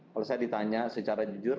kalau saya ditanya secara jujur